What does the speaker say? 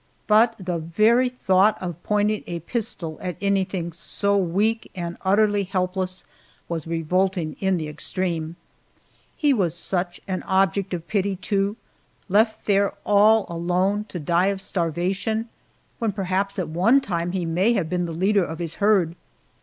But the very thought of pointing a pistol at anything so weak and utterly helpless was revolting in the extreme. He was such an object of pity, too, left there all alone to die of starvation, when perhaps at one time he may have been leader of his herd.